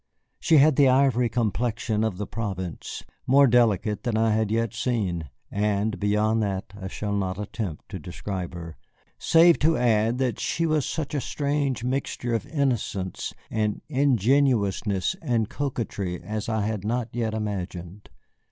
She had the ivory complexion of the province, more delicate than I had yet seen, and beyond that I shall not attempt to describe her, save to add that she was such a strange mixture of innocence and ingenuousness and coquetry as I had not imagined.